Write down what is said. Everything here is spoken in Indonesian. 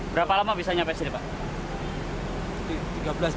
berapa lama bisa sampai sini pak